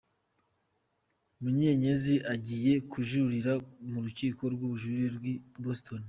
Munyenyezi agiye kujuririra mu rukiko rw’ubujurire rw’i Boston.